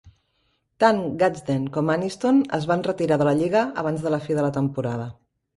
Tant Gadsden com Anniston es van retirar de la lliga abans de la fi de la temporada.